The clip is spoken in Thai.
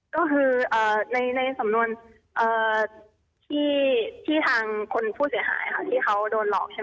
ก็คือในสำนวนที่ทางคนผู้เสียหายค่ะที่เขาโดนหลอกใช่ไหม